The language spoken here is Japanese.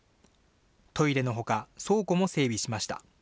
トイレのほか、倉庫も整備しました。